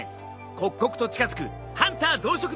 刻々と近づくハンター増殖のリミット。